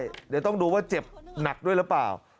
เดี๋ยวต้องดูว่าเจ็บหนักด้วยหรือเปล่า